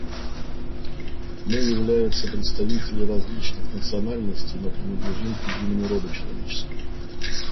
Мы является представители различных национальностей, но принадлежим к единому роду человеческому.